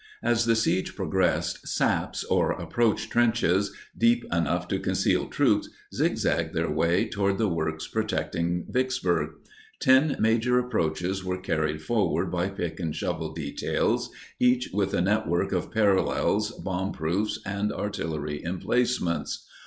As the siege progressed, "saps" or "approach trenches," deep enough to conceal troops, zigzagged their way toward the works protecting Vicksburg. Ten major approaches were carried forward by pick and shovel details, each with a network of parallels, bomb proofs, and artillery emplacements.